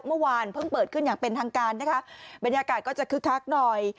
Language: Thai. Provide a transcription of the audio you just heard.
เมื่อวานเพิ่งเปิดขึ้นอย่างเป็นทางการนะคะบรรยากาศก็จะคึกคักหน่อย